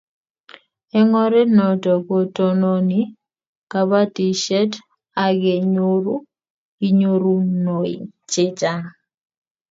Eng' oret notok ko tononi kabatishet akenyoru kanyorunoik che chang'